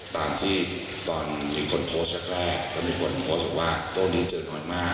ตามที่ตอนมีคนโพสต์แรกก็มีคนโพสต์บอกว่าโรคนี้เจอน้อยมาก